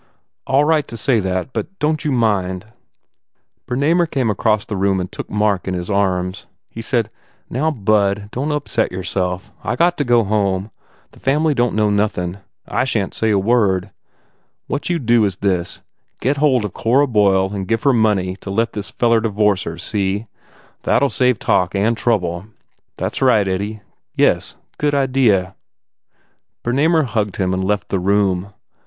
"All right to say that but don t you mind." Bernamer came across the room and took Mark in his arms. He said, "Now, bud, don t upset yourself. I got to go home. The fam ly don t know nothin . I shan t say a word. What you do is this, Get hold of Cora Boyle and give her money to let this feller divorce her, see? That ll save talk and trouble." "That s right, Eddie. Yes, good idea." Bernamer hugged him and left the room.